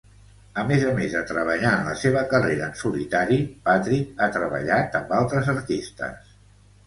A més a més de treballar en la seva carrera en solitari, Patrick ha treballat amb altres artistes.